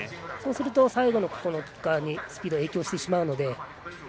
そうすると、最後のキッカーにスピードが影響してしまうので。